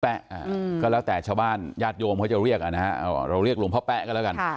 ก็แล้วแต่ชาวบ้านญาติโยมเขาจะเรียกอ่ะนะฮะเราเรียกหลวงพ่อแป๊ก็แล้วกัน